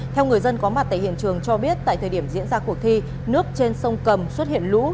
theo người dân có mặt tại hiện trường cho biết tại thời điểm diễn ra cuộc thi nước trên sông cầm xuất hiện lũ